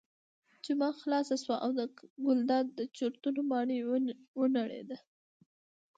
جمعه خلاصه شوه او د ګلداد د چورتونو ماڼۍ ونړېده.